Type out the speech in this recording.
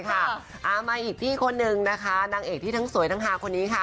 มาอีกพี่คนนึงนะคะนางเอกที่ทั้งสวยทั้งฮาคนนี้ค่ะ